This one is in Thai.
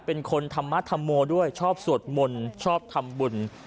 เป็นคนทำมัดทำโมด้วยชอบสวดมนตร์ชอบทำบุญ